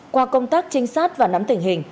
qua công tác trinh sát và nắm tình hình